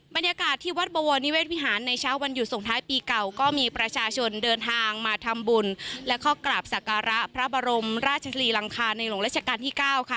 บรรยากาศที่วัดบวรนิเวศวิหารในเช้าวันหยุดส่งท้ายปีเก่าก็มีประชาชนเดินทางมาทำบุญและเข้ากราบสักการะพระบรมราชลีลังคาในหลวงราชการที่๙ค่ะ